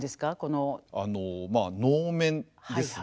まあ能面ですね。